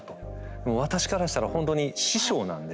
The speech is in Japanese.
もう私からしたらほんとに師匠なんで。